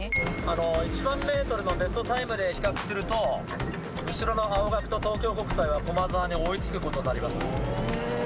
１万メートルのベストタイムで比較すると、後ろの青学と東京国際は、駒澤に追いつくことになります。